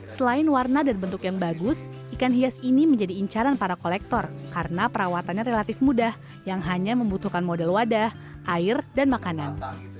selain warna dan bentuk yang bagus ikan hias ini menjadi incaran para kolektor karena perawatannya relatif mudah yang hanya membutuhkan model wadah air dan makanan